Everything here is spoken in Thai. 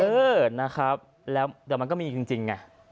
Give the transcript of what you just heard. เออนะครับแล้วแต่มันก็มีคนห่วงจริงไง